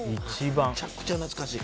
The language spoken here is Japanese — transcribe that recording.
むちゃくちゃ懐かしい。